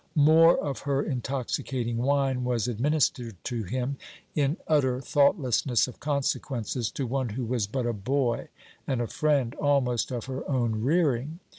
More of her intoxicating wine was administered to him, in utter thoughtlessness of consequences to one who was but a boy and a friend, almost of her own rearing.